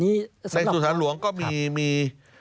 ในสุสานหลวงก็มี